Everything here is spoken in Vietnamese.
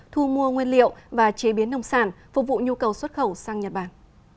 thu mua nguyên liệu và chế biến nông sản phục vụ nhu cầu xuất khẩu sang nhật bản